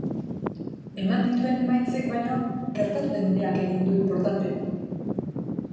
Eman dituen emaitzek baino, gertatu den uneak egiten du inportante.